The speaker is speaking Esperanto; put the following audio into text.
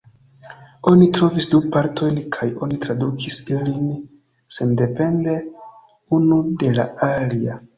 Oni trovis du partojn kaj oni tradukis ilin sendepende unu de la alia.